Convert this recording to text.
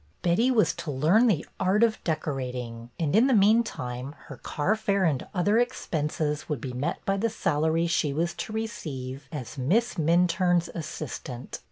Betty was to learn the art of decorating and, in the meantime, her carfare and other expenses would be met by the salary she was to receive as Miss Minturne's assistant.